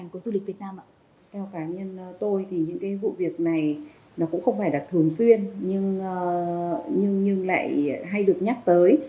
theo cá nhân tôi thì những vụ việc này cũng không phải là thường xuyên nhưng lại hay được nhắc tới